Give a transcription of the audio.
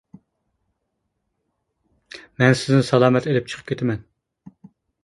مەن سىزنى سالامەت ئېلىپ چىقىپ كېتىمەن!